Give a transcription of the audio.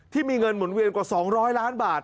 ที่มีเงินหมุนเวียนกว่า๒๐๐ล้านบาท